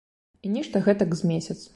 І нешта гэтак з месяц.